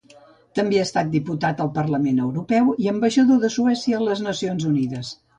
També ha estat diputat al Parlament Europeu i ambaixador de Suècia a les Nacions Unides.